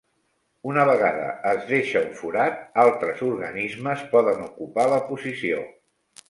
Una vegada es deixa un forat, altres organismes poden ocupar la posició.